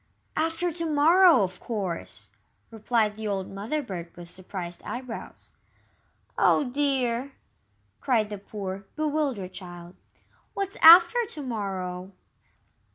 "After to morrow, of course!" replied the old Mother bird, with surprised eyebrows. "Oh, dear!" cried the poor, bewildered child, "what's after to morrow?"